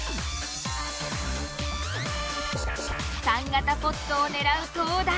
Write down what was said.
３型ポットを狙う東大。